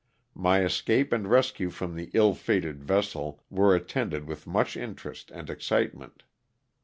My escape and rescue from the illfated vessel were attended with much interest and excite ment.